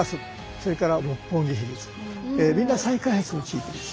それから六本木ヒルズみんな再開発の地域です。